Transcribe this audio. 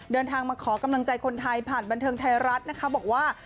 เดินทางมาขอกำลังใจคนไทยผ่านบันเทิงไทยรัฐนะคะบอกว่า